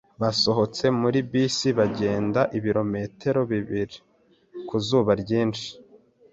Basohotse muri bisi bagenda ibirometero bibiri ku zuba ryinshi.